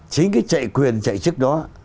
chính cái chạy quyền chạy chức đó